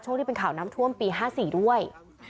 ที่เป็นข่าวน้ำท่วมปี๕๔ด้วย